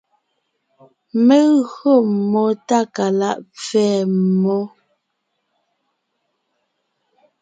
Mé gÿo mmó Tákalaʼ pfɛ̌ mmó.